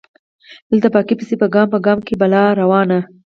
دلته پاکۍ پسې په ګام ګام کې بلا روانه